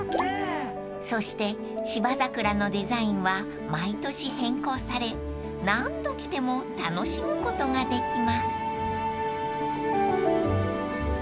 ［そして芝桜のデザインは毎年変更され何度来ても楽しむことができます］